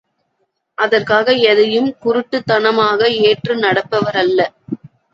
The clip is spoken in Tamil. அதற்காக எதையும் குருட்டுத் தனமாக ஏற்று நடப்பவரல்ல!